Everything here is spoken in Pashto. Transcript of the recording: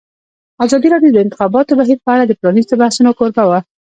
ازادي راډیو د د انتخاباتو بهیر په اړه د پرانیستو بحثونو کوربه وه.